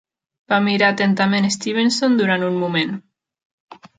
Va mirar atentament Stevenson durant un moment.